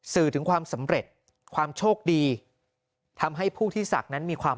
สื่อถึงความสำเร็จความโชคดีทำให้ผู้ที่ศักดิ์นั้นมีความ